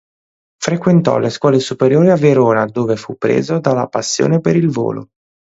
Frequentò le scuole superiori a Verona, dove fu preso dalla passione per il volo.